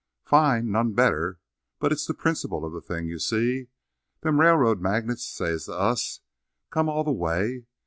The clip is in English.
"Fine. None better. But it's the principle of the thing, you see? Them railroad magnates says to us: 'Come all the way.'